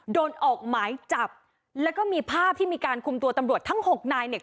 โดนออกหมายจับแล้วก็มีภาพที่มีการคุมตัวตำรวจทั้งหกนายเนี่ย